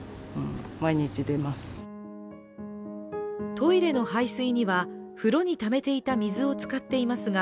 トイレの排水には風呂にためていた水を使っていますが